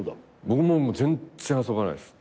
僕も全然遊ばないです。